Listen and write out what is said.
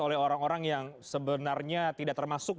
oleh orang orang yang sebenarnya tidak termasuk